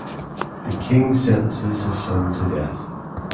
The king sentences his son to death.